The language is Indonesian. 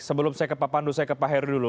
sebelum saya ke pak pandu saya ke pak heri dulu